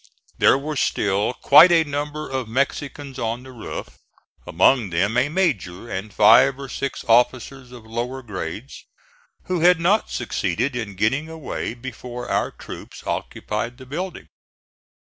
There were still quite a number of Mexicans on the roof, among them a major and five or six officers of lower grades, who had not succeeded in getting away before our troops occupied the building.